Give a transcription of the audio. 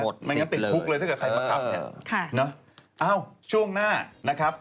หมด๑๐เลยบ๊วยไม่งั้นติดพุกเลยถ้าใครมาขับเนี่ยเนอะอ้าวช่วงหน้านะครับ